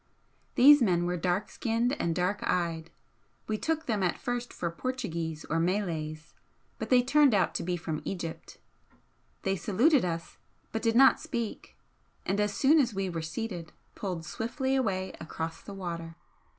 These men were dark skinned and dark eyed, we took them at first for Portuguese or Malays, but they turned out to be from Egypt. They saluted us, but did not speak, and as soon as we were seated, pulled swiftly away across the water.